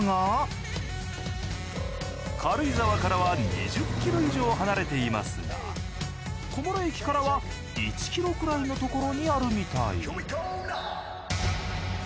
軽井沢から２０キロ以上離れていますが小諸駅からは１キロくらいのところにあるみたい。